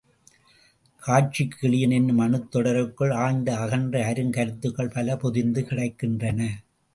காட்சிக்கு எளியன் என்னும் அணுத் தொடருக்குள் ஆழ்ந்த அகன்ற அருங் கருத்துகள் பல பொதிந்து கிடக்கின்றன.